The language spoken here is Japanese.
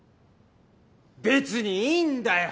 別にいいんだよ